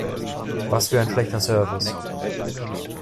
Was für ein schlechter Service!